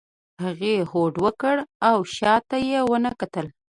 هغې هوډ وکړ او شا ته یې ونه کتل.